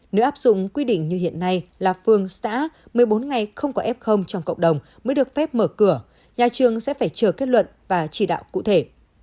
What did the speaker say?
nếu áp dụng quy định như hiện nay là phương xã một mươi bốn ngày không có f trong cộng đồng mới được phép mở cửa nhà trường sẽ phải chờ kết luận và chỉ đạo cụ thể